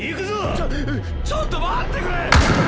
ちょっちょっと待ってくれェーッ！